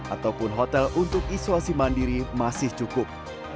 ataupun hotel untuk isolasi mandiri masih cukup